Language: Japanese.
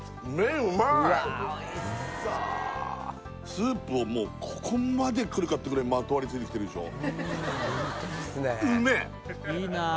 スープをもうここまでくるかってぐらいまとわりついてきてるでしょうめえ！